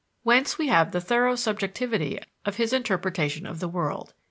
Whence we have the thorough subjectivity of his interpretation of the world.